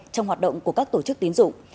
trong hoạt động của các tổ chức tín dụng